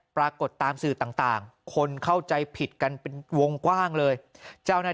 ปรากฏตามสื่อต่างคนเข้าใจผิดกันเป็นวงกว้างเลยเจ้าหน้าที่